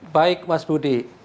baik mas budi